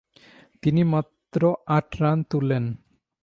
তিনি মাত্র আট রান তুলেন।